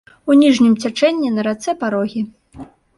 У ніжнім цячэнні на рацэ парогі.